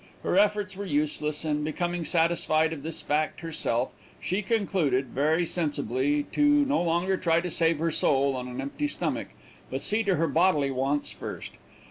Her efforts were useless, and becoming satisfied of this fact herself, she concluded, very sensibly, to no longer try to save her soul on an empty stomach, but see to her bodily wants first.